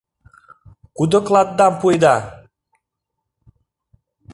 Кудо клатдам пуэда?